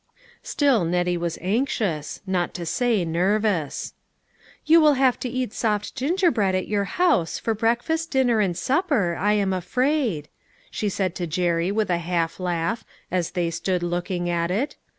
Still Nettie was anxious, not to say nervous. "You will have to eat soft gingerbread at your house, for breakfast, dinner and supper, I am afraid," she said to Jerry with a half laugh, as they stood looking at it.